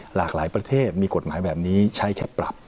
หลากหลายประเทศมีกฎหมายแบบนี้ใช้แค่ปรับ